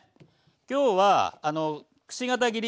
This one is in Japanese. きょうはくし形切り。